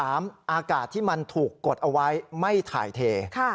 อากาศที่มันถูกกดเอาไว้ไม่ถ่ายเท